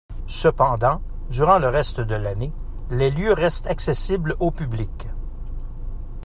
Cependant durant le reste de l'année, les lieux restes accessibles au public.